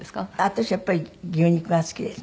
私はやっぱり牛肉が好きです。